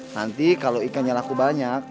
nanti kalau ikannya laku banyak